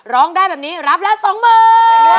ร้องได้แบบนี้รับละสองหมื่น